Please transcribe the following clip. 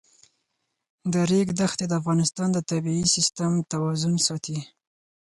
د ریګ دښتې د افغانستان د طبعي سیسټم توازن ساتي.